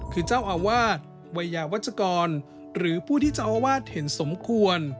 คือเจ้าอาวาสวัยยาวัชกรหรือผู้ที่เจ้าอาวาสเห็นสมควร